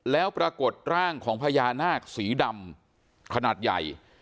แล้วปรากฏร่างของพญานาคสีดำขนาดใหญ่